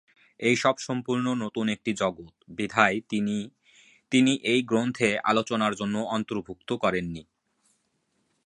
এইসব সম্পূর্ণ নতুন একটি জগৎ বিধায় তিনি তিনি এই গ্রন্থে আলোচনার জন্য অন্তর্ভুক্ত করেন নি।